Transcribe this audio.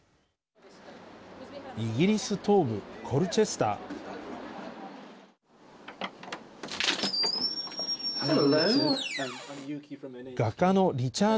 イギリス東部コルチェスター。